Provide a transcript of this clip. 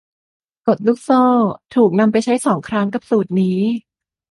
กฎลูกโซ่ถูกนำไปใช้สองครั้งกับสูตรนี้